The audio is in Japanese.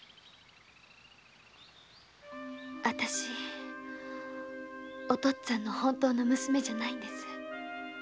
あたしお父っつぁんの本当の娘じゃないんです。